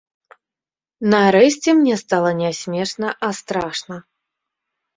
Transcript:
Нарэшце мне стала не смешна, а страшна.